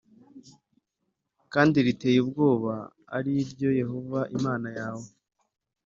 kandi riteye ubwoba, ari ryo Yehova, Imana yawe,